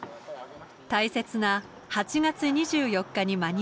大切な８月２４日に間に合いました。